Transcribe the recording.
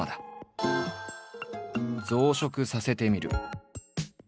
「増殖させてみる」